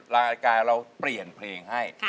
รายการเราเปลี่ยนเพลงให้